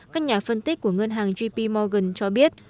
các nhà phân tích của ngân hàng jp morgan cho biết